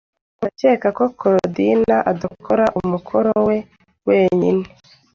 Ndakeka ko Korodina adakora umukoro we wenyine.